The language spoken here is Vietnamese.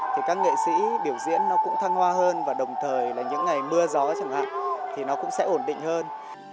thì các nghệ sĩ biểu diễn nó cũng thăng hoa hơn và đồng thời là những ngày mưa gió chẳng hạn thì nó cũng sẽ ổn định hơn